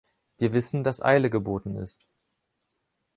Wir wissen, dass Eile geboten ist.